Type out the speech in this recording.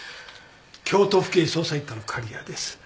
京都府警捜査一課の狩矢です。